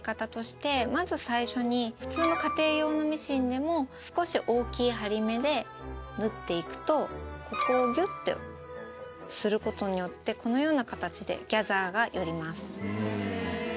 普通の家庭用のミシンでも少し大きい針目で縫っていくとここをぎゅってすることによってこのような形でギャザーが寄ります。